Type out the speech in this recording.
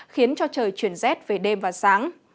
khiến cho trời chuyển rét về đêm và sáng